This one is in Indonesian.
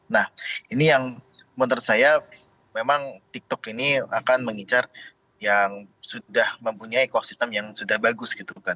nah ini yang menurut saya memang tiktok ini akan mengincar yang sudah mempunyai ekosistem yang sudah bagus gitu kan